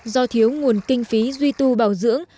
do thiếu nguồn kinh phí duy tu bảo dưỡng